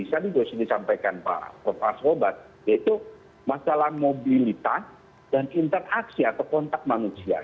tadi juga sudah disampaikan pak arsulbat yaitu masalah mobilitas dan interaksi atau kontak manusia